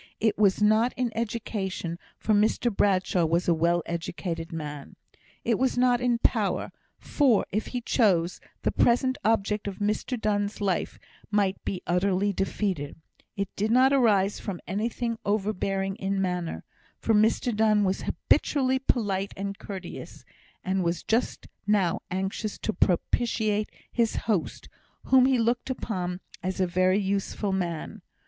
It was not in education, for Mr Bradshaw was a well educated man; it was not in power, for, if he chose, the present object of Mr Donne's life might be utterly defeated; it did not arise from anything overbearing in manner, for Mr Donne was habitually polite and courteous, and was just now anxious to propitiate his host, whom he looked upon as a very useful man.